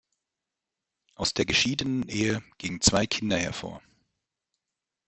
Aus der geschiedenen Ehe gingen zwei Kinder hervor.